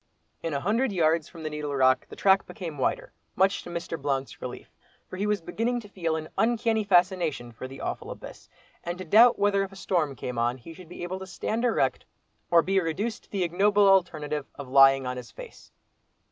In a hundred yards from the Needle Rock the track became wider, much to Mr. Blount's relief, for he was beginning to feel an uncanny fascination for the awful abyss, and to doubt whether if a storm came on, he should be able to stand erect, or be reduced to the ignoble alternative of lying on his face.